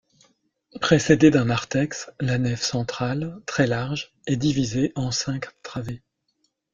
Précédée d'un narthex, la nef centrale, très large, est divisée en cinq travées.